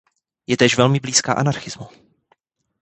Je též velmi blízká anarchismu.